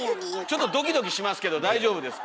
ちょっとドキドキしますけど大丈夫ですか？